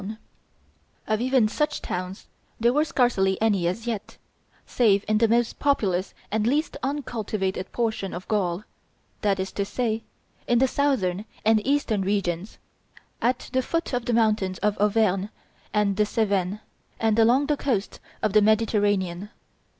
[Illustration: Ideal Landscape of Ancient Gaul 13] Of even such towns there were scarcely any as yet, save in the most populous and least uncultivated portion of Gaul; that is to say, in the southern and eastern regions, at the foot of the mountains of Auvergne and the Cevennes, and along the coasts of the Mediterranean.